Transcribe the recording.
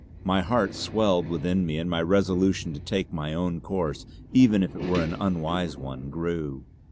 My heart swelled within me, and my resolution to take my own course, even if it were an unwise one, grew.